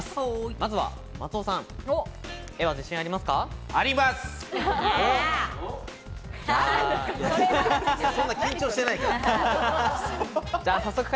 まずは松尾さん、絵は自信はありますか？